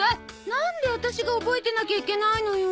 なんでワタシが覚えてなきゃいけないのよ？